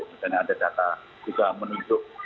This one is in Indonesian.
misalnya ada data juga menunjuk